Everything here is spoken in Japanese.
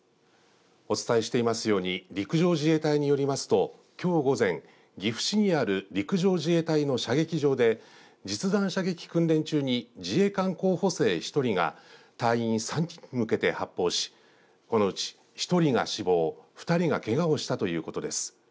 お伝えしていますように陸上自衛隊によりますときょう午前岐阜市にある陸上自衛隊の射撃場で実弾射撃訓練中に自衛官候補生１人が隊員３人に向けて発砲しこのうち１人が死亡２人がけがをしたということです。